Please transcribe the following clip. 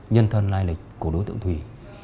nhân thân lai lịch của đối tượng thùy